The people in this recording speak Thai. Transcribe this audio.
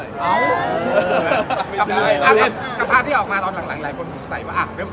คุณคุณมันว่า๒ปีไม่ถึง